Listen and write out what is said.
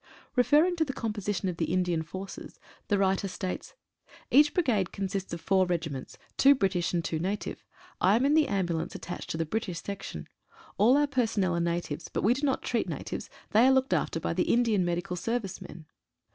Referring to the composition of the Indian forces, the writer states: — Each brigade consists of four regiments, two Bri tish and two native. I am in the ambulance attached to the British section. All our personnel are natives, but we do not treat natives. They are looked after by the Indian Medical Service men.